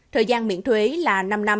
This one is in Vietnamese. thời gian miễn thuế là năm năm